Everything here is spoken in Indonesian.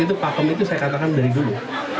itu pak kamenya saya katakan dari dulu